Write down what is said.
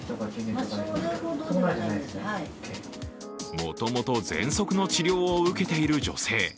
もともとぜんそくの治療を受けている女性。